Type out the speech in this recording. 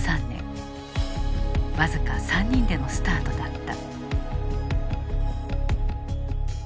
僅か３人でのスタートだった。